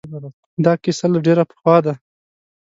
دا قصه له ډېر پخوا ده